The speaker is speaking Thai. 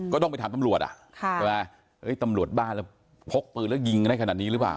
ก็ต้องไปถามตำรวจอ่ะใช่ไหมตำรวจบ้านแล้วพกปืนแล้วยิงได้ขนาดนี้หรือเปล่า